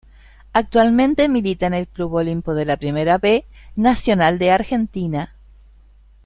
Actualmente milita en el Club Olimpo de la Primera B Nacional de Argentina.